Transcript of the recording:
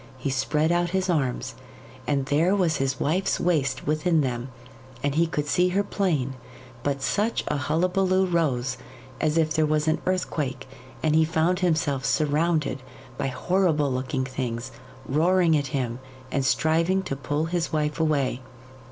He spread out his arms, and there was his wife's waist within them, and he could see her plain; but such a hullabulloo rose as if there was an earthquake, and he found himself surrounded by horrible looking things, roaring at him and striving to pull his wife away.